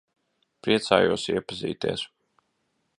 Priecājos iepazīties.